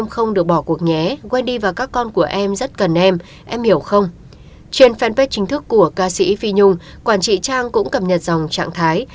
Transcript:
trên fanpage chính thức của ca sĩ phi nhung quản trị trang cũng cập nhật dòng trạng thái